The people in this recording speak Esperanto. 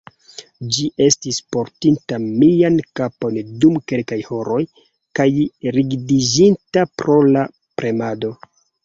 Ĝi estis portinta mian kapon dum kelkaj horoj, kaj rigidiĝinta pro la premado.